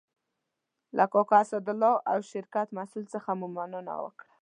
له کاکا اسدالله او شرکت مسئول څخه مو مننه وکړه.